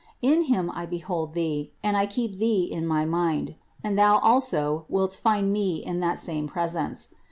In Him I behold thee, and I keep thee in my mind; and thou also wilt find me in that same presence.